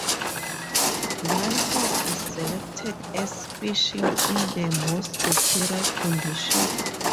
One horse is selected as finishing in the most superior condition.